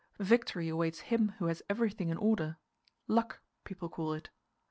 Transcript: Victory awaits him who has everything in order luck, people call it.